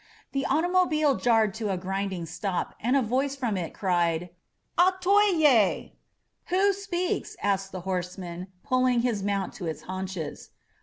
The automobile jarred to a grinding stop and a Yoice from it cried, ^^HaUomt* ^Who speaks?'^ asked the horseman, puIHng his mount to its haunches.